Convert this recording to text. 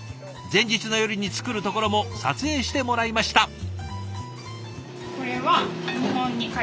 前日の夜に作るところも撮影してもらいました。